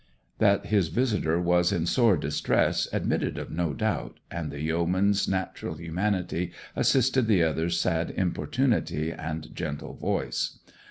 That his visitor was in sore distress admitted of no doubt, and the yeoman's natural humanity assisted the other's sad importunity and gentle voice.